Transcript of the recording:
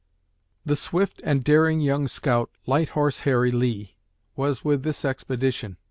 The swift and daring young scout, "Light Horse Harry" Lee, was with this expedition.